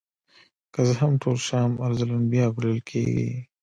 که څه هم ټول شام ارض الانبیاء بلل کیږي.